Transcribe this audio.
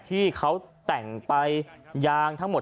ที่เขาแต่งไปยางทั้งหมด